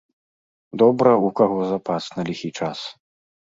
Добра, у каго запас на ліхі час.